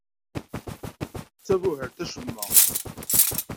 D tabuhalt acemma.